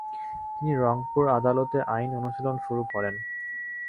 তিনি রংপুর আদালতে আইন অনুশীলন শুরু করেন।